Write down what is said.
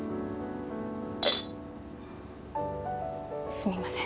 すみません。